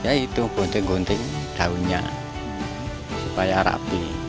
ya itu kunting gunting daunnya supaya rapi